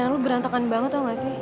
kemarin lo berantakan banget tau gak sih